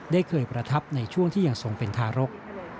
ได้เคยประทับในช่วงที่ยังทรงเป็นทารก